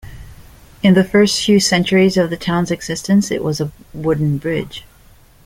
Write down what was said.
In the first few centuries of the town's existence, it was a wooden bridge.